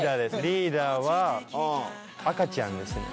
リーダーは赤ちゃんですね。